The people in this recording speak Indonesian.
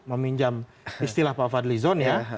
meminjam istilah pak fadli zon